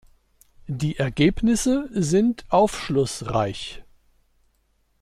Die Ergebnisse sind aufschlussreich.